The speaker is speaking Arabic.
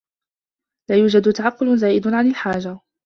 لا يوجد تعقّل زائد عن الحاجة.